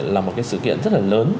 là một cái sự kiện rất là lớn